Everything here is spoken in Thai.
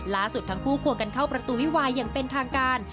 ล่าสุดทั้งคู่ควงกันเข้าประตูวิวาอย่างเป็นทางการ